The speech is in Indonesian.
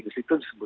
di situ disebut